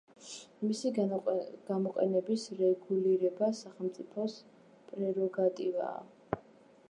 მისი გამოყენების რეგულირება სახელმწიფოს პრეროგატივაა.